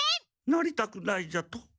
なりたくないじゃと？